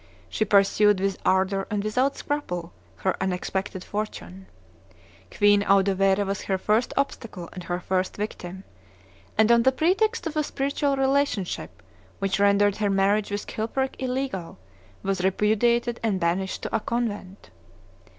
She pursued with ardor and without scruple her unexpected fortune. Queen Audovere was her first obstacle and her first victim; and on the pretext of a spiritual relationship which rendered her marriage with Chilperic illegal, was repudiated and banished to a convent.